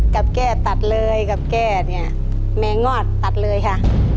แก้ตัดเลยกับแก้เนี่ยแมงอดตัดเลยค่ะ